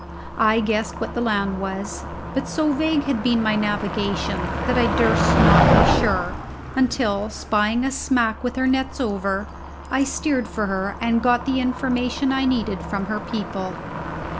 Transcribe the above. I guessed what that land was, but so vague had been my navigation that I durst not be sure; until, spying a smack with her nets over, I steered for her and got the information I needed from her people.